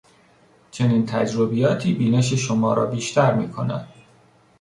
چنین تجربیاتی بینش شما را بیشتر میکند.